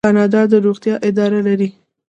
کاناډا د روغتیا اداره لري.